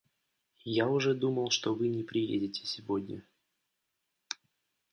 Я уже думал, что вы не приедете сегодня.